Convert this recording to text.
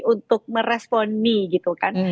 untuk merespon mie gitu kan